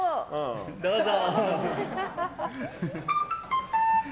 どうぞ。